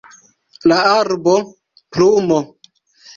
La arbo, plumo